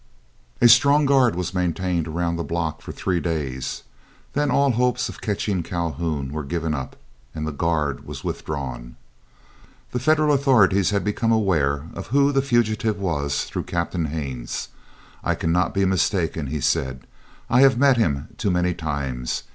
A strong guard was maintained around the block for three days; then all hopes of catching Calhoun were given up, and the guard was withdrawn. The Federal authorities had become aware who the fugitive was through Captain Haines. "I cannot be mistaken," he said; "I have met him too many times.